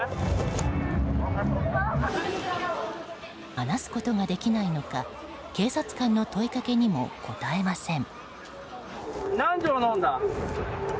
話すことができないのか警察官の問いかけにも答えません。